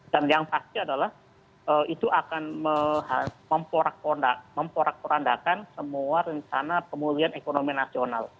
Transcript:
dan yang pasti adalah itu akan memporak porandakan semua rencana pemulihan ekonomi nasional